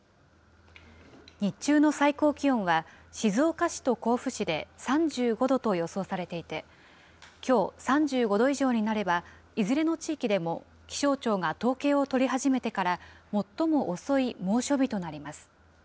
日中の最高気温は、静岡市と甲府市で３５度と予想されていて、きょう、３５度以上になれば、いずれの地域でも、気象庁が統計を取り始めてから最も遅い猛暑日となります。